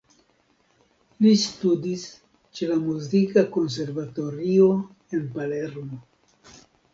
Li studis ĉe la muzika konservatorio en Palermo.